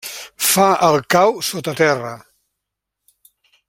Fa el cau sota terra.